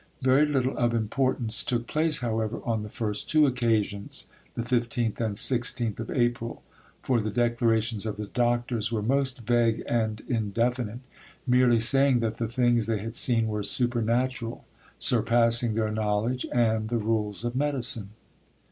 Very little of importance took place, however, on the first two occasions, the 15th and 16th of April; for the declarations of the doctors were most vague and indefinite, merely saying that the things they had seen were supernatural, surpassing their knowledge and the rules of medicine.